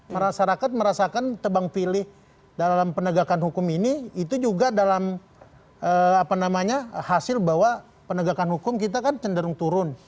masyarakat merasakan tebang pilih dalam penegakan hukum ini itu juga dalam hasil bahwa penegakan hukum kita kan cenderung turun